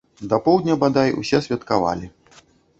Да поўдня бадай усе святкавалі.